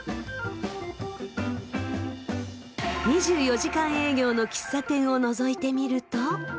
２４時間営業の喫茶店をのぞいてみると。